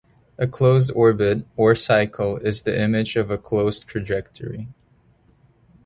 A "closed orbit", or "cycle", is the image of a closed trajectory.